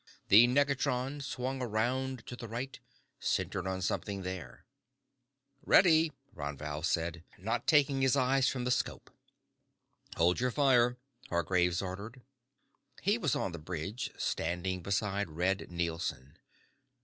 The negatron swung around to the right, centered on something there. "Ready," Ron Val said, not taking his eyes from the 'scope. "Hold your fire," Hargraves ordered. He was on the bridge, standing beside Red Nielson.